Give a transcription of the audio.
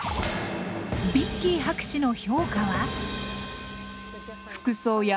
ヴィッキー博士の評価は？